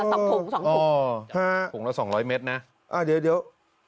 เออสองถุงสองถุงถุงละ๒๐๐เมตรนะอ่าเดี๋ยว